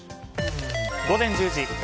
午前１０時。